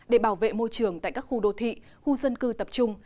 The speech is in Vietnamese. để bảo vệ môi trường tại các khu đô thị khu dân cư tập trung